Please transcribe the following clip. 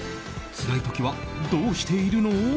つらい時はどうしているの？